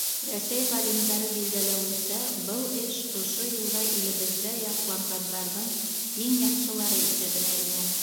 Рәсәй ғалимдары билдәләүенсә, был эш ошо йылда илебеҙҙә яҡланғандарҙың иң яҡшылары иҫәбенә инә.